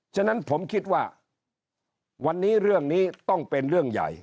ฉะนั้นผมคิดว่าวันนี้เรื่องนี้ต้องเป็นเรื่องใหญ่